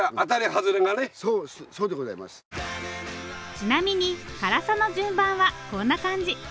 ちなみに辛さの順番はこんな感じ。